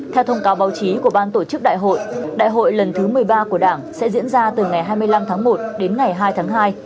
theo thông cáo báo chí của ban tổ chức đại hội đại hội lần thứ một mươi ba của đảng sẽ diễn ra từ ngày hai mươi năm tháng một đến ngày hai tháng hai